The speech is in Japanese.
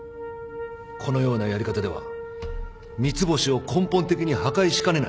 このようなやり方では三ツ星を根本的に破壊しかねない。